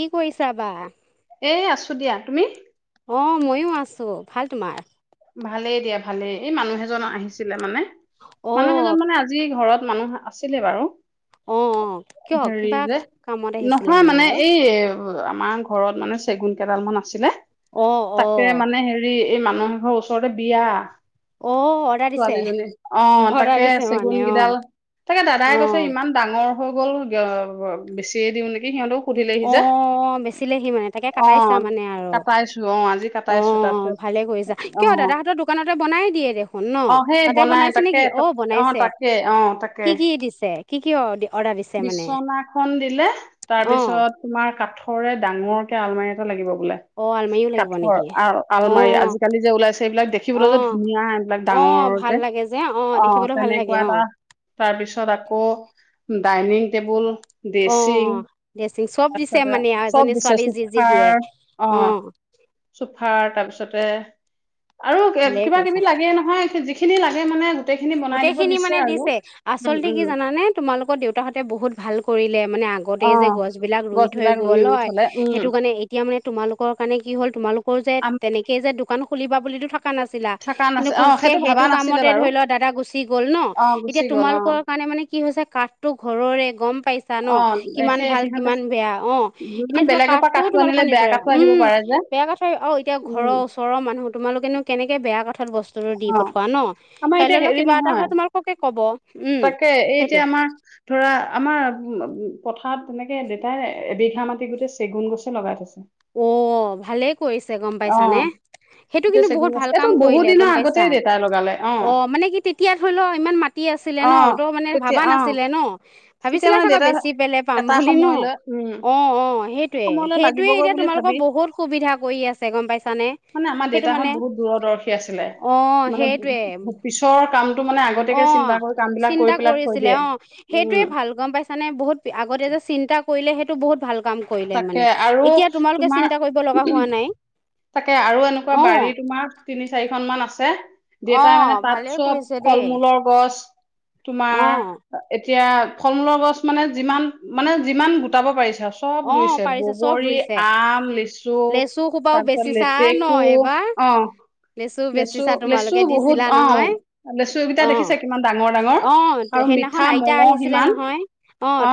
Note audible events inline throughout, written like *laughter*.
কি কৰিছা বা? এই আছোঁ দিয়া, তুমি? অঁ, মইয়ো আছোঁ, ভাল তোমাৰ? ভালেই দিয়া ভালেই, এই মানুহ জন আহিছিলে মানে মানুহ এজন মানে আজি ঘৰত মানুহ আছিলে বাৰু, হেৰি যে নহয় মানে এই আমাৰ ঘৰত মানে চেগুন কেইডাল মান আছিলে, তাকে মানে হে ৰি, এই মানুহ এঘৰ ওচৰতে বিয়া। অ। ছোৱালীজনীৰ অঁ, তাকেই চেগুন গিডাল, তাকে দাদাই কৈছে ইমান ডাঙৰ হৈ গ'ল, বেছিয়ে দিওঁ নেকি সিহঁতেও অঁ, বেচিলেহি মানে তাকে কটাইছা মানে আৰু। অঁ ভালে কৰিছা, কিয় দাদাহঁতৰ দোকানতে বনাই দিয়ে দে অঁ, সেই বনাই তাকে তাত অঁ তাকে অঁ তাকে। বিচনাখন দিলে, তাৰপিছত তোমাৰ কাঠৰে ডাঙৰকে আলমাৰি এটা লাগিব বোলে। কাঠৰ আল আলমাৰি আজিকালি যে ওলাইছে এইবিলাক দেখিবলৈ ধুনীয়া এইবিলাক। ডাঙৰ যে, অঁ তেনেকুৱা এটা তাৰপিছত আকৌ ডাইনিং টেবুল, ড্ৰেচিং, ড্ৰেছিং চব, তাৰপিছতে চব দিছে চোফাৰ অঁ। চোফাৰ তাৰপিছতে আৰু কিবা কিবি লাগে নহয়, যি *unintelligible* লাগে মানে। গোটেইখিনি মানে দিছে। আচলতে কি জানানে? তোমালোকৰ দেউতাহঁতে বহুত ভাল কৰিলে। মানে আগতেই যে গছবিলাক ৰুই থৈ গ'ল হয়। সেইটো কাৰণে এতিয়া মানে তোমালোকৰ কাৰণে কি হ'ল। তোমালোকৰ যে তেনেকে যে দোকান খুলিবা বুলিটো থাক *unintelligible* নাছিলা কিন্তু খোজকে সেইটো কামতে ধৰি লও এটা গুচি গল ন এতিয়া তোমাৰলোকৰ কাৰণে মানে কি হৈছে কাঠটো ঘৰৰে গম পাইছে। ন কিমান ভাল, কিমান বেয়া অ' এতিয়া ধ লোৱা কাঠটোও তোমালোকৰ নিজৰে উম। বেয়া কথা অ *unintelligible* ঘৰৰ মানুহ তোমালোকে নো কেনেকে বেয়া কথাত বস্তুতটো দি পঠোৱা ন। কাইলৈ অলপ কিবা এটা হয় তম *unintelligible* ক'ব। তাকে এই যে আমাৰ। ধৰা আমাৰ উ পথাৰত তেনেকে দেতাই এবিঘা মাটি গোটেই চেগুন গছে লগাই থৈছে। *unintelligible* অ' ভালেই কৰিছে গম পাইছা নে। সেইটো কিন্তু বহুত ভাল কাম কৰিলে গম পাইছা। অ' মানে কি তেতিয়া ধৰি ল ইমান মাত *unintelligible* আছিলে ন তো মানে ভাবা নাছিলে ন ভাবি ছিলে চাগে বেছি পেলে পাম বুলি ন? অ' অ' সেইটোয়ে সেইটোয়ে এতিয়া তোমাৰ তেওঁলোকৰ বহুত সুবিধা কৰি আছে। গম পাইছানে? সেইটো মানে অ' সেইটোৱে। পিছৰ কামটো মানে আগতেকে চিন্তা কৰ। চিন্তা কৰিছিলে অ সেইটোয়ে ভাল। গম পাইছানে? বহুত আগতে যে চিন্তা কৰিলে সেইটো বহুত ভাল কাম। কৰিলে মানে এতিয়া তোমালোকে চিন্তা কৰিব লগা হোৱা নাই। তাকে আৰু এনেকুৱা বাৰী তোমাৰ তিনি চাৰিখন মান আছে। দেউতা মানে তাত চব ফল মূলৰ গছ তোমাৰ। এতিয়া ফল-মূল গছ মানে যিমান মানে যিমান গোটাব পাৰিছা। চব ৰুইছে বগৰী, আম, লিচু *unintelligible* লেটকু অ। লেচু লেচু বহুত অ' লেচু এইকেইটা দেখিছা কিমান ডাঙৰ ডাঙৰ। আৰু মিঠা মঙহ সিমান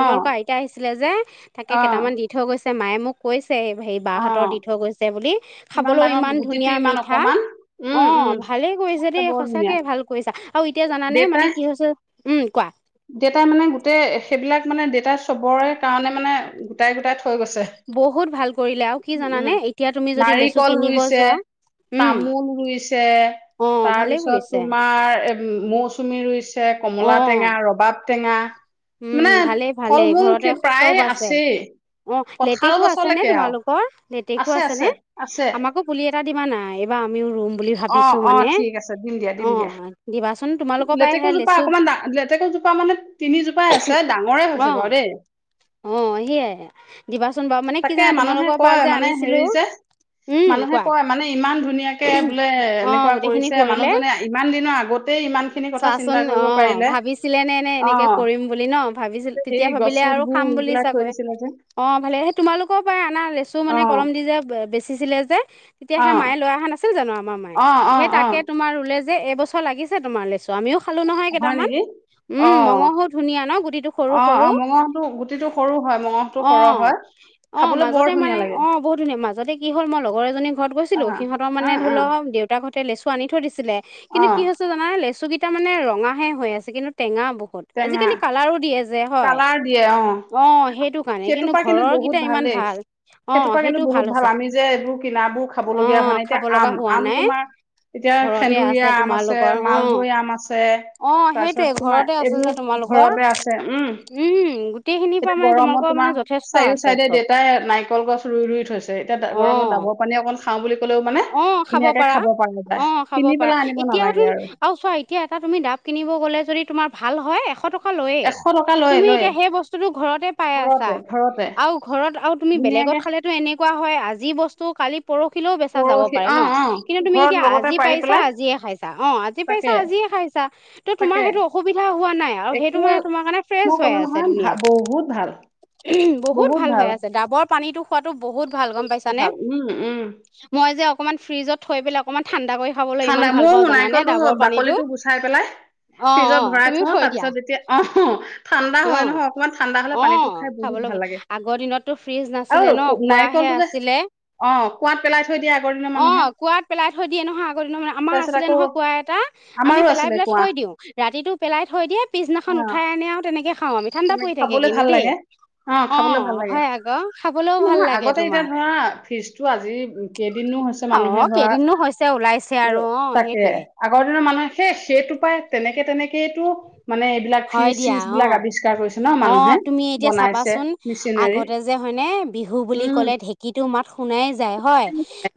অ। শিকে আহিছিলে যে তাকে কেইটামান দি থৈ গৈছে মায়ে মোক। কৈছে হে বাহতৰ দি থই গৈছে বুলি খাবলৈও ইমান ধুনীয়া মিঠা। অ' ভালে কৰিছা দেই সঁচাকে ভাল কৰিছা আৰু এতিয়া জানানে মানে কি হৈছে উম, কোৱা। দেতা মানে গোটেই সেইবিলাক মানে দেতা চবৰে কাৰণে মানে। গোটাই গোটাই থৈ গৈছে উম, নাৰিকল ৰুইছে। তামোল ৰুইছে তাৰপিছত তোমাৰ মৌচুমী ৰুইছে কমলা টেঙা ৰবাব টেঙা উম, ভালেই ভালেই ঘৰতে চব আছে। অ লেটেকু আছে নে তোমালোকৰ লেটেকু আছে নে আমাকো পুলি এটা দিবা নাই এইবাৰ আমিও ৰুম বুলি ভাবিছো মানে অ দিবা লেতেকৰজোপা অকমান লেতেকাজোপা মানে তিনিজোপাই আছে ডাঙৰে হৈছে বাৰু দেই। অ', সেয়াই দিবাচোন বাৰু মানে কি জানা তোমালোকৰ পৰা যে আনিছিলোঁ। উম, কোৱা। মানে ইমান ধুনীয়া *unintelligible* এনেকুৱা কৰিছে মানুহজনে ইমান দিনৰ আগতেই ইমান খিনি কথা চিন্তা কৰিব পাৰিলে। ছিলে নে, নে এনেকে কৰিম বুলি ন, ভাবিছিল তেতিয়া ভাবিলে আৰু খাম বুলি চাগৈ। অ' ভালে সেই তোমালোকৰ পৰা আনা লেচু মানে এ কলম দি যে বেচিছিলে যে তেতিয়া সেই মায়ে লৈ আহা নাছিল জানো আমাৰ মায়ে সেই তাকে তোমাৰ ৰুলে যে এইবছৰ লাগিছে তোমাৰ লেচু ত' আমিও খালো নহয় কেইটামান উম, মঙহো ধুনীয়া ন'গুটিটো সৰু, সৰু। অ' টো গুটি গুতিটো সৰু হয় মঙসটো সৰহ হয়। অ' মাজতে মানে অ' বহুত ধুনীয়া মাজতে কি হ'ল মই লগৰ এজনী ঘৰত গৈছিলোঁ সিহঁতৰ মানে ধৰি লও দেউতাকহঁতে লেচু আনি থৈ দিছিলে কিন্তু কি হৈছ ছে জানা নে লেচুকেইটা মানে ৰঙা হে হৈ আছে কিন্তু টেঙা বহু হুত আজিকালি কালাৰো দিয়ে যে হয় অ' সেইটো কাৰণে কিন্তু ঘৰৰ কেইটা ইমান ভাল অ' সেইটোও ভাল আছে। যে এইবোৰ কিনাবোৰ খাবলগীয়া হোৱা নাই এতিয়া আম, আম তোমাৰ এতিয়া সেন্দুৰীয়া আম আছে, মালভৈ আম আছে তাৰপিছত তোমাৰ এই *unintelligible* ঘৰতে আছে উম, উম, গোট গোটেইখিনিৰ পৰা মানে তোমালোকৰ মানে যথেষ্ট আছে চব অ'। অ' খাব পাৰা, অ' খাব পাৰা এতিয়া হয় তোন আৰু চোৱা এতিয়া এটা তুমি ডাব কিনিব গ'লে যদি তোমাৰ ভাল হয় এশ টক কা লৈয়ে তুমি এতিয়া সেই বস্তুটো ঘৰতে পাই আছা আৰু ঘৰত আৰু তুমি বেলেগত খালেতো এনেকুৱা হয় আজি বস্তু কালি পৰ *unintelligible* বেচা যাব পাৰে ন' কিন্তু তুমি এতিয়া আজি পাইছা আজিয়ে খাইছা অ'আজি পাইছা আজিয়ে খাইছা ত'তোমাৰ সেইটো অসুবিধা হোৱা নাই আৰু সেইটো মানে তোমাৰ কাৰণে ফ্ৰেছ হৈ আছে ধুনীয়া। বহুত ভাল হৈ আছে ডাবৰ পানীতো খোৱাতো বহুত ভাল গম পাইছা? ভাল উম, উম। মই যে অকমান ফ্ৰিজত থৈ পেলাই অক অকমান ঠাণ্ডা কৰি খাবলৈ ইমান ভাল পাওঁ জানানে ডাবৰ পানীটো। অ' অ' তুমিও থৈ দিয়া অ' অ' খাবলৈ আগৰ দিনততো ফ্ৰীজ নাছিলে ন' কোঁৱা হে আছিলে। অ' কোঁৱাত পেলাই থৈ দিয়ে আগৰ দিনৰ মানুহে। কুঁৱাত পেলাই থৈ দিয়ে নহয় আগৰ দিনৰ মানুহে আমাৰ আছিলে নহয় কোঁৱা এটা। আমি পেলাই, পেলাই থৈ দিওঁ ৰাতিটো পেলাই থৈ দিয়ে পিছদিনাখন উঠাই আনে আৰু তেনেকে খাওঁ আমি। তেনেকে খাবলে ভাল লাগে। অ'খাবলৈ ভাল লাগে নহয় আগতে এতিয়া ধৰা ফ্ৰীজটো আজি কেইদিননো হৈছে মানুহে ধৰা তাকে আগৰ দিনৰ মানুহে সেই সেটো পাই তেনেকে, তেনেকেইটো মানে হয় দিয়া অ'। অ'তুমি এতিয়া চাবাচোন আগতে যে হয়নে বিহু বুলি ক'লে ঢেক কিটো মাত শুনাই যায় হয়,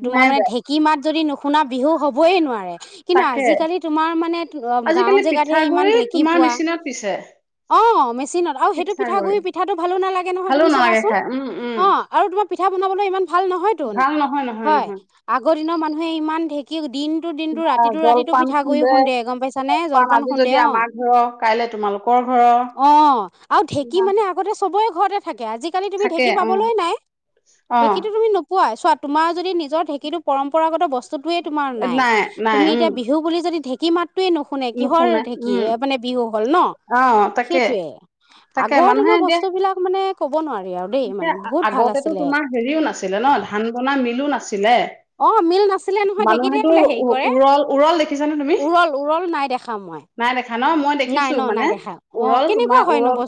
তোমাৰ মানে ঢেঁক কি মাত যদি নুশুনা বিহু হ'বই নোৱাৰে কিন্তু আজিকালি তোমাৰ মানে গাঁও জেগাতহে ইমান ঢেঁকী পোৱা পিছে অ' মেচিনত আৰু সেইটো পিঠা গুড়িৰ পিঠাটো ভালো নালাগে নহয় তুমি চাবাচোন অ'। আৰু তোমাৰ পিঠা বনাবলৈ ইমান ভাল নহয় তোন হয় আগৰ দিনৰ মানুহে ইমান ঢেক কি দিনটো, দিনটো ৰাতিটো, ৰাতিটো পিঠাগুড়ি খুন্দে, গম পাইছা নে জলপান খুন্দে অ'। ঘৰ' কাইলে তোমালোক কৰ ঘৰ - অ আৰু ঢেঁকী মানে আ গতে চবৰে ঘৰতে থাকে আজিকালি তুমি ঢেঁকী পাবলৈ নাই। ঢেঁকীতো তুমি নো পোৱা। চোৱা তোমাৰ যদি নিজৰ ঢেঁকীটো পৰম্পৰাগত ব স্তুয়ে তোমাৰ নাই। তুমি এতিয়া বিহু বুলি যদি ঢেঁকী মাতটোয়ে নুশুনে কিহৰ ঢেঁকী এ মানে - বিহু হল ন, সেইটোৱে আগৰ দিনৰ বস্তু - এইবিলাক মানে ক'ব নোৱাৰি আৰু দেই মানে বহুত ভাল আছিলে। হেৰিও নাছিলে ন ধান বনা মিলো নাছিলে। মানুহেটো উ উৰল উৰল দেখিছা নে তুমি? নাই দেখা ন মই দেখিছো মানে উৰল তোমাৰ উৰল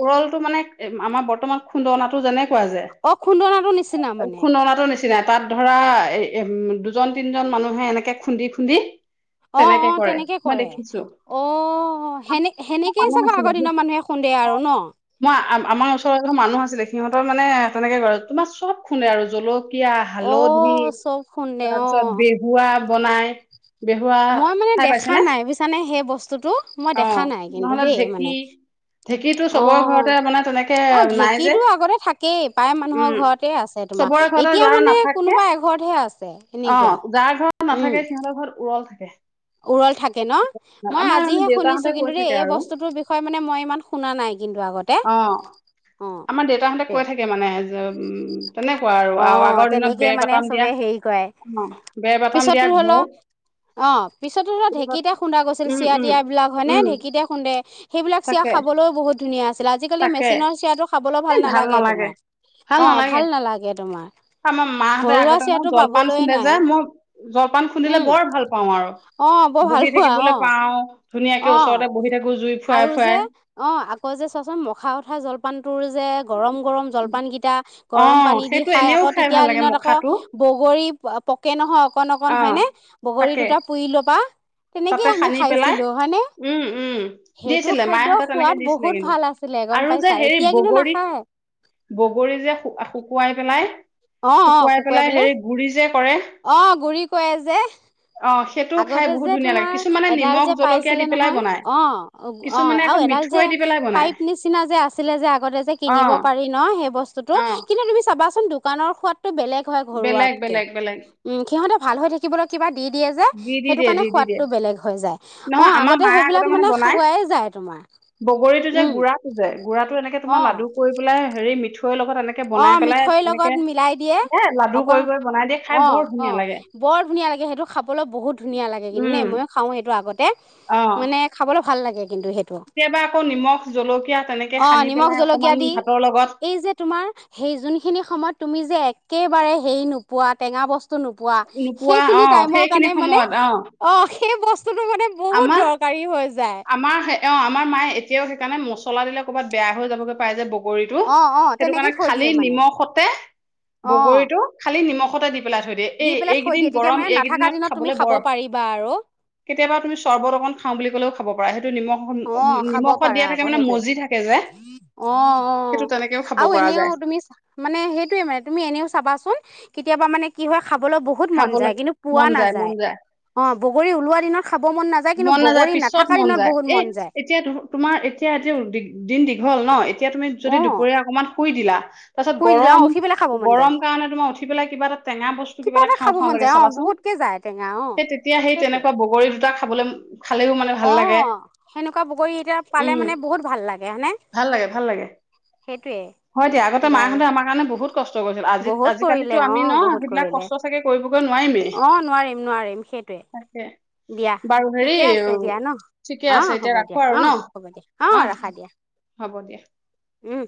উৰলটো মানে - আমাৰ বৰ্তমান খুন্দনা টো যেনেকুৱা যে খুন্দনাটো নিচ চিনা, তাত ধৰা এম দুজন তিনিজন মানুহে এনেকে খুন্দি খুন্দি - অ অ তেনেকে কৰে। অঁ সেনে সেনেকেই চাগে আগৰ দিনৰ মানুহে খুন্দে আৰু ন? মই আ আমাৰ ওচৰৰ এঘৰ মানুহ আছিলে সিহঁতৰ মানে তেনেকে কৰে তোমাৰ চব খুন্দে আৰু জল কীয়া হালধি তাৰপিছত বেহুৱা বনাই। বেহুৱা খাই পাইছে নে? অ নহলে ঢেঁকী - ঢেঁকীটো চবৰ ঘৰতে মানে তেনেকে - অ ঢেঁকীটো আগতে থাকেই প্ৰায় মানুহৰ ঘৰতে আছে তোমাৰ এতিয়া মানে কোনোবা এঘৰতহে আছে। অ যাৰ ঘৰত নাথাকে সিহঁতৰ ঘৰত উৰল থাকে। উৰল থাকে ন? মই আজিহে শুনিছো কিন্তু দেই এই বস্তুটোৰ বিষয়ে মানে মই ইমান শুনা নাই কিন্তু আগতে। অ। আমাৰ দেউতাহঁতে কৈ থাকে মানে যে উম তেনেকুৱা আৰু আৰু আগৰ দিনত বেৰ বাটাম দিয়া - হয়, পিছতো হল অ - পিছতো ধৰা ঢেঁকীতে খুন্দা গৈছিল চিৰা-তিয়া বিলাক হয় নে ঢেঁকীতে খুন্দে - সেইবিলাক চিৰা খাবলো বহুত ধুনীয়া আছিলে আজিকালি মেচিনৰ চিৰাটো খাবলো ভাল নালাগে তোমাৰ। অ ভাল নালাগে তোমাৰ। আম মাহঁতে আগতে ন জলপান খুন্দে যে মই জলপান খুন্দিলে বৰ ভাল পাওঁ আ ৰু, বহি থাকিবলে পাও ধুনীয়াকে ওচৰতে বহি থাকো জুই ফুৱাই ফুৱাই। অ, আকৌ যে চোৱাচোন মখা উঠা জলপানটোৰ যে গৰম গৰম - জলপানকেইটা গৰম পানী দি খাই আকৌ তেতিয়া দিনত আক - বগৰী পকে নহয় অকন অকন হয়নে বগৰী দুটা - পুৰি ল'বা। তেনেকেই আমি খাইছিলো হয়নে? সেইটো খাদ্যৰ সোৱাদ বহুত ভাল আছিলে গম পাইছা এতিয়া কিন্তু নাখায়। বগৰী যে শু শু শুকুৱাই পেলাই - শুকুৱাই পেলাই হেৰি গুৰি যে কৰে - অ, সেইটোও খাই বহুত - তোমাৰ এডাল যে পাইছিলে নহয় অ অ আৰু এডাল যে পাইপ - নিচিনা যে আছিলে যে আগতে যে কিনিব পাৰি ন সেই বস্তুটো - কিন্তু তুমি চাবাচোন দোকানৰ সোৱাদটো বেলেগ হয় ঘৰুৱাতকে। উম, সিহঁতে ভাল হৈ থাকিবলৈ কিবা দি দিয়ে যে - যে সেইটো কাৰণে সোৱাদটো বেলেগ হৈ যায়। অ আগতে সেইবিলাক মানে খোৱাই যায় তোমাৰ। বগৰীটো যে গুড়াটো যে গুড়াটো এনেকে তোমাৰ লাডু কৰি পেলাই হেৰি মিঠৈৰ লগত এনেকে - এ বনাই পেলাই এনেকে লাডু কৰি কৰি বনাই দিয়ে খাই বৰ ধুনীয়া লাগে। বৰ ধুনীয়া লাগে সেইটো খাবলৈ বহুত ধুনীয়া লাগে, কিন্তু ময়ো খাওঁ সেইটো আগতে মানে খাবলৈ ভাল লাগে কিন্তু সেইটো। কেতিয়াবা আকৌ নিমখ জলকীয়া তেনেকে সানি পেলাই অকমান ভাতৰ লগত তোমাৰ সেই যোনখিনি সময়ত তুমি যে একেবাৰে হেৰি নোপোৱা টেঙা বস্তু নোপোৱা সেইখিনি টাইমৰ কাৰণে মানে অ', সেই বস্তু আমাৰ কাৰী হৈ যায়। আমাৰ অ', আমাৰ মায়ে এতিয়াও সেইকাৰণে মচলা দিলে ক'ৰবাত বেয়া হৈ যাবগে পাই যে বগৰীটো, সেইটো কাৰণে খালি নিমখতে বগৰীটো খালি নিমখতে দি পেলাই থৈ দিয়ে, এই এইকেইদিন গৰম এইকেইদিনত খাবলৈ বৰ কেতিয়াবা তুমি চৰ্বত অকন খাও বুলি ক'লেও খাব পাৰা, সেইটো নিমখ অ', খাব পাৰা আকৌ সেইটোৱে অ', অ', আৰু এনেও তুমি মানে সেইটোয়ে মানে তুমি এনেও চাবাচোন, কেতিয়াবা মানে কি হয় খাবলৈ বহুত বহুত মন যায় কিন্তু পোৱা নাযায়, অ', বগৰী ওলোৱা দিনত খাব মন নাযায়। মন নাযায় পিছত মন যায়, এই এতিয়া তোমাৰ এতিয়া এতিয়া দিন দীঘল ন' এতিয়া তুমি যদি দুপৰীয়া অকমান শুই দিলা, তাৰপিছ গৰম গৰম কাৰণে তোমাৰ উঠি পেলাই কিবা এটা টেঙা বস্তু কিবা এটা খাওঁ খাওঁ লাগে চাবাচোন, সেই তেতিয়া সেই তেনেকুৱা বগৰী খাবলৈ খালেও মানে অ', সেনেকুৱা বগৰী এতিয়া পালে মানে বহুত ভাল লাগে হয়নে? ভাল লাগে ভাল লাগে। সেইটোৱেই। হয়, দিয়া আগতে মাহঁতে আমাৰ কাৰণে বহুত কষ্ট কৰিছিল আজি আজিকালিতো আমি ন' সেইবিলাক কষ্ট চাগে কৰিবগৈ নোৱাৰিমেই, তাকে। দিয়া ঠিকে আছে। দিয়া ন' অ', হ'ব দিয়া অ', হ'ব দিয়া অ', ৰাখা দিয়া। উম।